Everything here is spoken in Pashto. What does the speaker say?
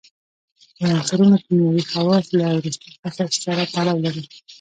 د عنصرونو کیمیاوي خواص له وروستي قشر سره تړاو لري.